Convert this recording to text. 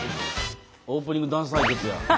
オープニングダンス対決や。